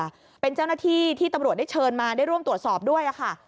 ด้านเรือเป็นเจ้าหน้าที่ที่ตำรวจได้เชิญมาได้ร่วมตรวจสอบด้วยอ่ะค่ะ